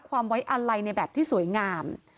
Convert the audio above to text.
ไว้อาลัยในแบบที่สวยงาม